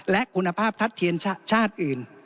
และคุณภาพทัดเทียนชาติอื่น